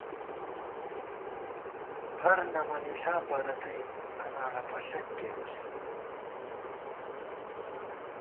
ہر نَمَنِݪا پرَتئی ، انَاڑہ پݪَک کېرُوس